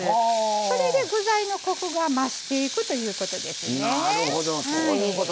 それで具材のコクが増していくということですね。